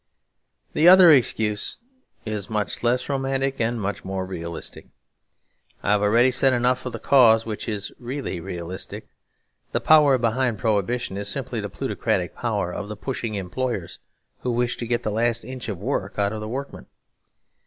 The other excuse is much less romantic and much more realistic. I have already said enough of the cause which is really realistic. The real power behind Prohibition is simply the plutocratic power of the pushing employers who wish to get the last inch of work out of their workmen.